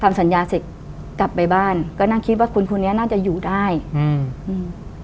ทำสัญญาเสร็จกลับไปบ้านก็นั่งคิดว่าคุณคนนี้น่าจะอยู่ได้อืมอืม